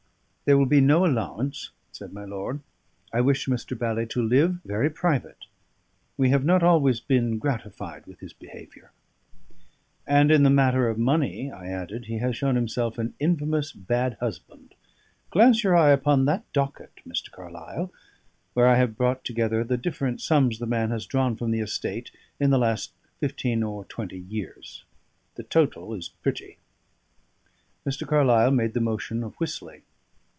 "There will be no allowance," said my lord. "I wish Mr. Bally to live very private. We have not always been gratified with his behaviour." "And in the matter of money," I added, "he has shown himself an infamous bad husband. Glance your eye upon that docket, Mr. Carlyle, where I have brought together the different sums the man has drawn from the estate in the last fifteen or twenty years. The total is pretty." Mr. Carlyle made the motion of whistling.